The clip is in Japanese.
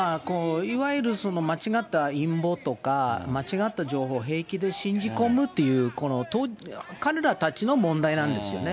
いわゆる間違った陰謀とか、ものとか、間違った情報とか、平気で信じ込むっていう、彼らたちの問題なんですよね。